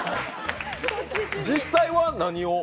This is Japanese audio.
実際は何を？